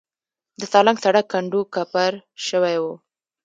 د سالنګ سړک کنډو کپر شوی و.